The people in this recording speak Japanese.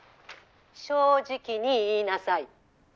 正直に言いなさい。